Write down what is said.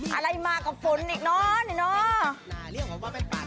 อะไรมากับฝนเนี่ยเนาะเนี่ยเนาะ